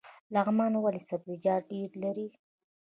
لغمان ولې سبزیجات ډیر لري؟